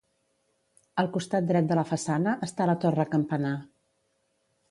Al costat dret de la façana està la torre campanar.